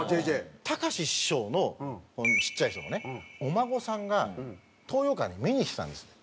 たかし師匠のこのちっちゃい人のねお孫さんが東洋館に見に来たんです。